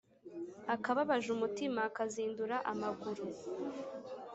Akababaje umutima kazindura amaguru.